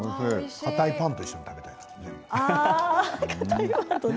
かたいパンと一緒に食べたい。